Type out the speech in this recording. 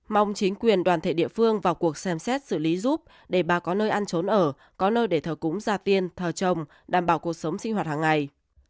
mong chính quyền đoàn thể địa phương vào cuộc xem xét xử lý giúp để bà có nơi ăn trốn ở có nơi để thờ cúng gia tiên thờ chồng đảm bảo cuộc sống sinh hoạt hàng ngày